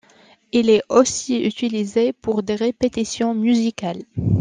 Il est aussi utilisé pour des répétitions musicales.